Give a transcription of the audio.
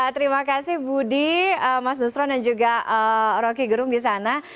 terima kasih budi mas nusron dan juga rocky gerung di sana